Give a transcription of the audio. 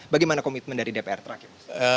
bagaimana komitmen dari dpr terakhir